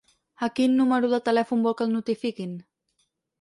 A quin número de telèfon vol que el notifiquin?